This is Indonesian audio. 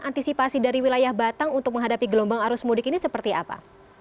antisipasi dari wilayah batang untuk menghadapi gelombang arus mudik ini seperti apa